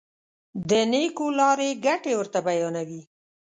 د نېکو لارو ګټې ورته بیانوي.